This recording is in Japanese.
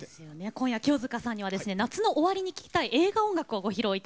今夜清塚さんにはですね夏の終わりに聴きたい映画音楽をご披露頂きます。